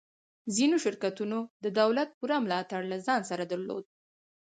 ځینو شرکتونو د دولت پوره ملاتړ له ځان سره درلود